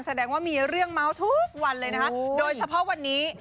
แสดงว่ามีเรื่องเมาส์ทุกวันเลยนะคะโดยเฉพาะวันนี้